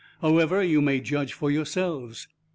However, you may judge for yourselves."